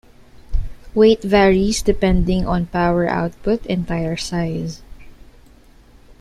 Weight varies depending on power output and tire size.